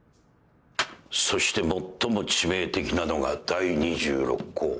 そして最も致命的なのが第２６稿。